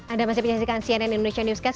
anda masih menyaksikan cnn indonesia newscast